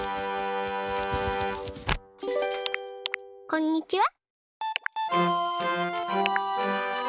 こんにちは。